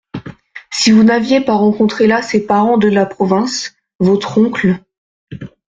Si vous n’aviez pas rencontré là ces parents de la province… votre oncle…